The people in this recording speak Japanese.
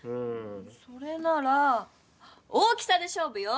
それなら大きさでしょうぶよ！